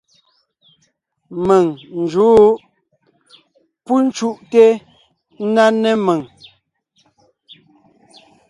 Mèŋ n jǔʼ. Pú cúʼte ńná né mèŋ.